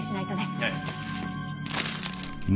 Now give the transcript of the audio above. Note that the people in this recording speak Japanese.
ええ。